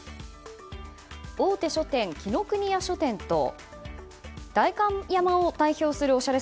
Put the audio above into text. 大手書店、紀伊國屋書店と代官山を代表とするおしゃれ